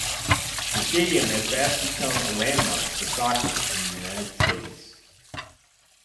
The stadium has fast become a landmark for soccer in the United States.